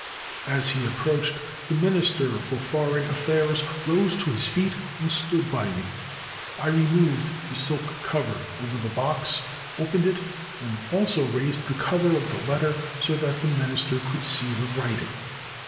As he approached, the Minister for Foreign Affairs rose to his feet and stood 441 JAPAN by me. I removed the silk cover over the box, opened it, and also raised the cover of the letter so that the Min ister could see the writing.